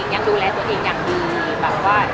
อันนั้นก็คือต้องเผื่ออาณาคต